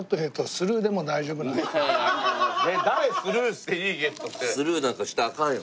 スルーなんかしたらアカンよ。